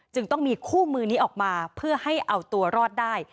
จึงต้องมีคู่มือนี้ออกมาเพื่อให้เอาตัวรอดได้